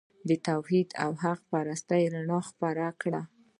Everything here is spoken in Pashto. د توحید او حق پرستۍ رڼا خپره کړه.